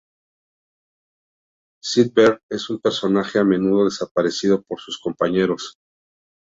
Zoidberg es un personaje a menudo despreciado por sus compañeros.